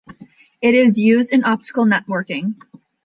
It is used in optical networking.